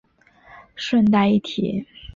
顺带一提